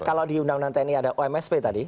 kalau di undang undang tni ada omsp tadi